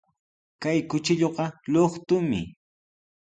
Kay kuchilluqa luqtumi.